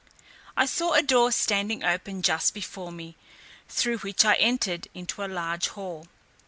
I saw a door standing open just before me, through which I entered into a large hall.